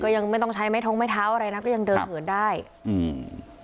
ยังไม่ต้องใช้ไม้ท้องไม้เท้าอะไรนะก็ยังเดินเหินได้อืม